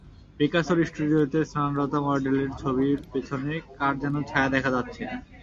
পিকাসোর স্টুডিওতে স্নানরতা মডেলের ছবির পেছনে কার যেন ছায়া দেখা যাচ্ছে।